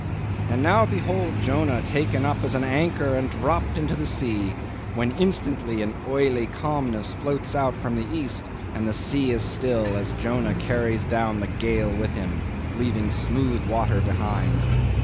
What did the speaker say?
"And now behold Jonah taken up as an anchor and dropped into the sea; when instantly an oily calmness floats out from the east, and the sea is still, as Jonah carries down the gale with him, leaving smooth water behind.